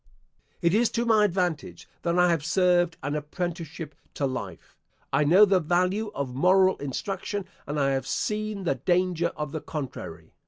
It is to my advantage that I have served an apprenticeship to life. I know the value of moral instruction, and I have seen the danger of the contrary.